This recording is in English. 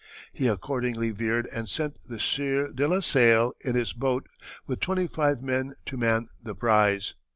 He accordingly veered and sent the Sieur de la Sale in his boat with twenty five men to man the prize.